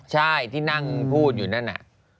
ใช่ที่นั่งพูดอยู่นั่นน่ะ